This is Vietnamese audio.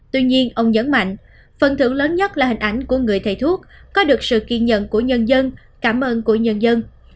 tuy nhiên ông nhấn mạnh phần thưởng lớn nhất là hình ảnh của người thầy thuốc có được sự kiên nhận của nhân dân cảm ơn của nhân dân